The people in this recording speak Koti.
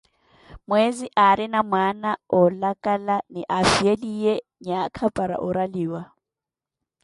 Mweezi aarina mwaana wolakala, ni afhiyeliye nyakha para oraliwa.